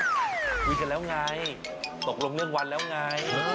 คุยกันแล้วไงตกลงเรื่องวันแล้วไง